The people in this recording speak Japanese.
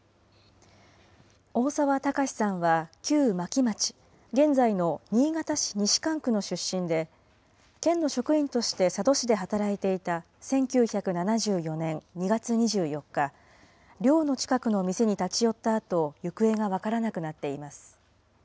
大澤孝司さんは旧巻町、現在の新潟市西蒲区の出身で、県の職員として佐渡市で働いていた１９７４年２月２４日、寮の近くの店に立ち寄ったあと、行方が分からなくなっています。